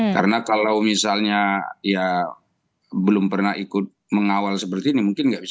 karena kalau misalnya ya belum pernah ikut mengawal seperti ini mungkin nggak bisa